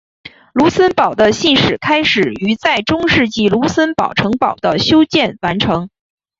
卢森堡的信史开始于在中世纪卢森堡城堡的修建完成。